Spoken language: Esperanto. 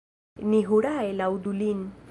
Ni hurae laŭdu lin!